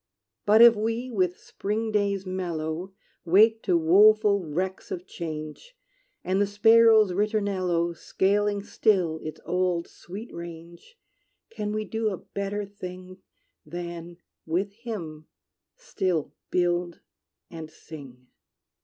But if we, with spring days mellow, Wake to woeful wrecks of change, And the sparrow's ritornello Scaling still its old sweet range; Can we do a better thing Than, with him, still build and sing?